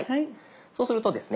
そうするとですね